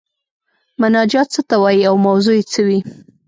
مناجات څه ته وايي او موضوع یې څه وي؟